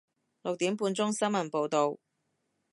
六點半鐘新聞報道